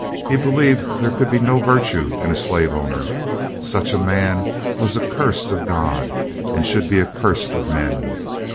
He believed there could be no virtue in a slave owner; such a man was accursed of God, and should be accursed of men.